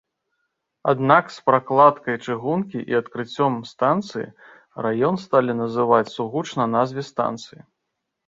Аднак з пракладкай чыгункі і адкрыццём станцыі раён сталі называць сугучна назве станцыі.